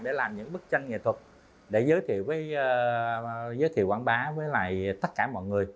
để làm những bức tranh nghệ thuật để giới thiệu quảng bá với tất cả mọi người